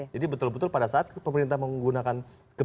jadi betul betul pada saat pemerintah menggunakan